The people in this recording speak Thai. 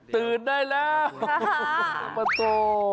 ตื่นได้แล้วมาโต